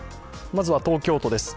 まずは東京都です。